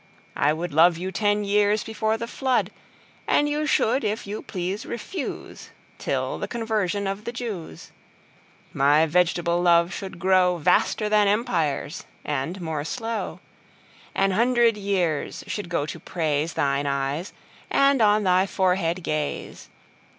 I wouldLove you ten years before the Flood:And you should if you please refuseTill the Conversion of the Jews.My vegetable Love should growVaster then Empires, and more slow. An hundred years should go to praiseThine Eyes, and on thy Forehead Gaze.